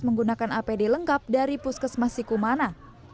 menggunakan apd lengkap dari puskesmas sikumana